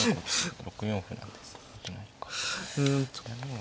６四歩なんですよね。